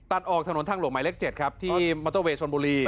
ตัดออกถนนทางหลวงหมายเลข๗ครับที่มอเตอร์เวย์ชนบุรี